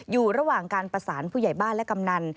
อยู่ระหว่างการประสานผู้ใหญ่บ้านและกำนัน